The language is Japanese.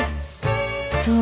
そう。